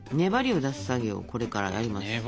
粘りを出す作業をこれからやります。